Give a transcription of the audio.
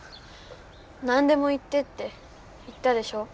「なんでも言って」って言ったでしょ？